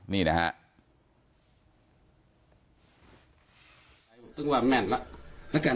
นี่แหละครับ